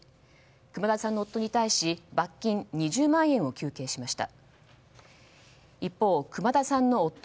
熊田さんの夫に対し罰金２０万円を求刑しました。